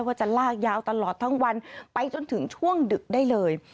ว่าจะลากยาวตลอดทั้งวันไปจนถึงช่วงดึกได้เลย